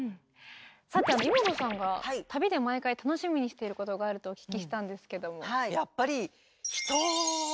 さてイモトさんが旅で毎回楽しみにしてることがあるとお聞きしたんですけども。